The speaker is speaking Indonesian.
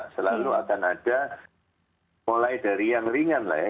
selalu akan ada mulai dari yang ringan lah ya